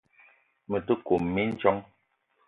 Me te kome mindjong.